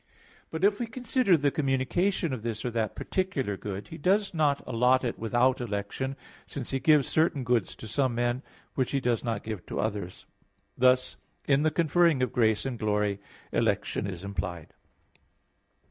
4). But if we consider the communication of this or that particular good, He does not allot it without election; since He gives certain goods to some men, which He does not give to others. Thus in the conferring of grace and glory election is implied.